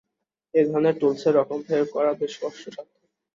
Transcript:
এধরনের টুলসের রকমফের করা বেশ কষ্ট সাধ্য।